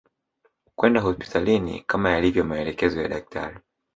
kwenda hospitalini kama yalivyo maelekezo ya madaktari